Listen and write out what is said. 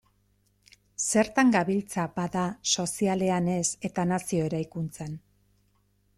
Zertan gabiltza, bada, sozialean ez eta nazio eraikuntzan?